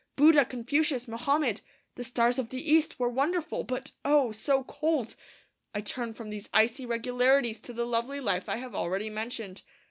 Buddha, Confucius, Mohammed the stars of the East were wonderful, but oh, so cold! I turn from these icy regularities to the lovely life I have already mentioned.